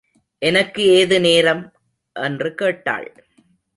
எனக்கு ஏது நேரம்? என்று கேட்டாள்.